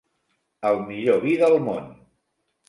El millor vi del món.